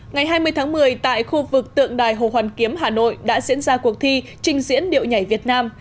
ngày hai mươi tháng một mươi tại khu vực tượng đài hồ hoàn kiếm hà nội đã diễn ra cuộc thi trình diễn điệu nhảy việt nam